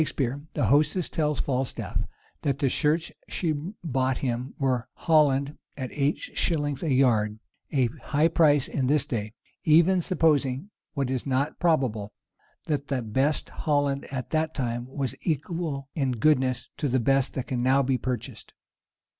In Shakspeare, the hostess tells Falstaff, that the shirts she bought him were Holland at eight shillings a yard; a high price at this day, even supposing, what is not probable, that the best Holland at that time was equal in goodness to the best that can now be purchased.